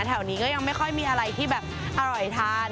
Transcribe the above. แถวนี้ก็ยังไม่ค่อยมีอะไรที่แบบอร่อยทาน